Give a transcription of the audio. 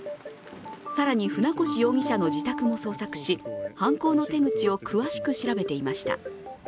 更に船越容疑者の自宅も捜索し犯行の手口を詳しく調べていました。